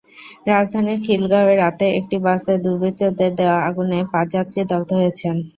রাজধানীর খিলগাঁওয়ে রাতে একটি বাসে দুর্বৃত্তদের দেওয়া আগুনে পাঁচ যাত্রী দগ্ধ হয়েছেন।